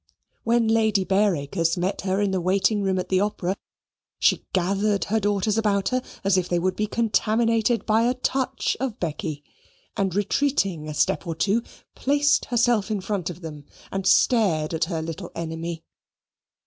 When Lady Bareacres met her in the waiting room at the opera, she gathered her daughters about her as if they would be contaminated by a touch of Becky, and retreating a step or two, placed herself in front of them, and stared at her little enemy.